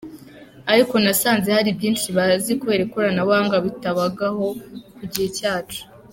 Ariko nasanze hari byinshi bazi kubera ikoranabuhanga bitabagaho ku gihe cyacu.